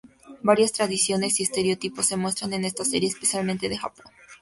Varias tradiciones y estereotipos se muestran en esta serie, especialmente de Japón.